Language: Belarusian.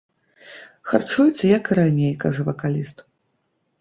Харчуецца як і раней, кажа вакаліст.